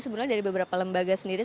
sebenarnya dari beberapa lembaga sendiri